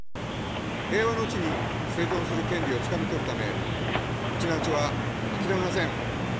平和のうちに生存する権利をつかみ取るため、ウチナーンチュは諦めません。